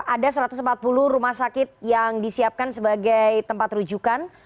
ada satu ratus empat puluh rumah sakit yang disiapkan sebagai tempat rujukan